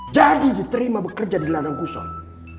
jadi diterima bekerja di ladang kusoi